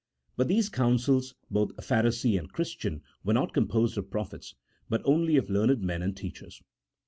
But these councils, both Pharisee and Christian, were not composed of prophets, but only of learned men and teachers.